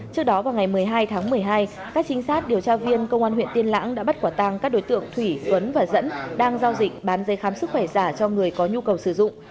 trước đó vào ngày một mươi hai tháng một mươi hai các trinh sát điều tra viên công an huyện tiên lãng đã bắt quả tăng các đối tượng thủy duấn và dẫn đang giao dịch bán dây khám sức khỏe giả cho người có nhu cầu sử dụng